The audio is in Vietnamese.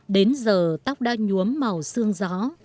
đến giờ tóc đã nhuốm mỏng